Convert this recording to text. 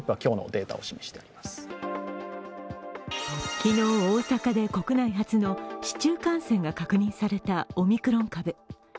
昨日大阪で国内初の市中感染が確認されたオミクロン株。